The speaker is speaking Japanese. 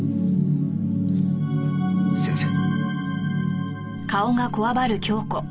先生。